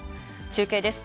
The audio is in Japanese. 中継です。